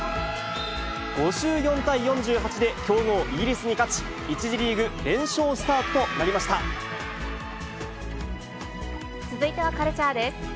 ５４対４８で、強豪イギリスに勝ち、１次リーグ連勝スタートとな続いてはカルチャーです。